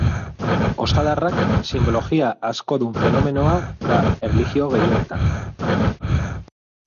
Ostadarrak sinbologia askodun fenomenoa da erlijio gehienetan.